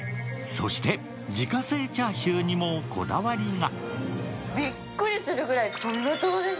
そして、自家製チャーシューにもこだわりが。